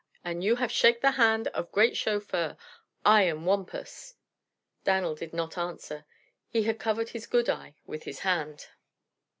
An' you have shake the hand of great chauffeur. I am Wampus." Dan'l did not answer. He had covered his good eye with his hand.